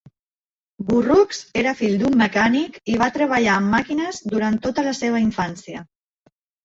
Burroughs era fill d'un mecànic i va treballar amb màquines durant tota la seva infància.